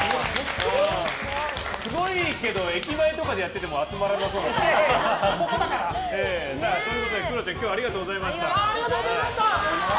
すごいけど駅前とかでやっていても集まらなそう。ということでクロちゃん、今日はありがとうございました。